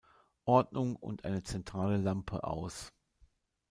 Ordnung und eine zentrale Lampe aus.